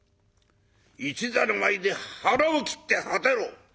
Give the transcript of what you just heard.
一座の前で腹を切って果てろ。